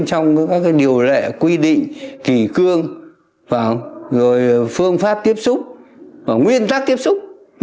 trong các điều lệ quy định kỷ cương phương pháp tiếp xúc nguyên tắc tiếp xúc